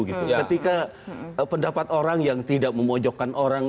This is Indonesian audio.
ketika pendapat orang yang tidak memojokkan orang